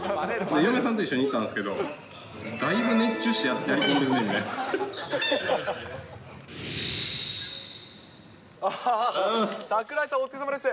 嫁さんと一緒に行ったんですけど、だいぶ熱中してやってるねって。